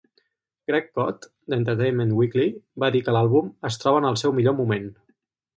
Greg Kot, d'Entertainment Weekly, va dir que l'àlbum "es troba en el seu millor moment".